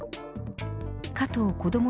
加藤こども